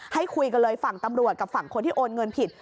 ให้คุยกันเลยฝั่งตำรวจกับฝั่งคนที่โอนเงินผิด